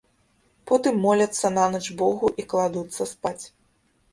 Потым моляцца нанач богу і кладуцца спаць.